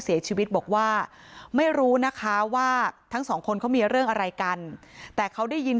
เสียชีวิตบอกว่าไม่รู้นะคะว่าทั้งสองคนเขามีเรื่องอะไรกันแต่เขาได้ยิน